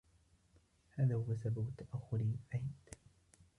" هذا هو سبب تأخري "" فهمت "